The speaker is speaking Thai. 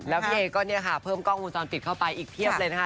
แล้วพี่เอก็เนี่ยค่ะเพิ่มกล้องวงจรปิดเข้าไปอีกเพียบเลยนะคะ